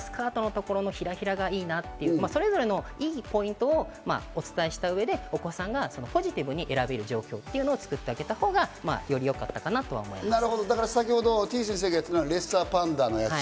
こっちのお洋服はこのスカートのところのヒラヒラがいいなと、それぞれの良いポイントをお伝えした上でお子さんがポジティブに選べる状況というのを作ってあげたほうがよりよかったかなと思います。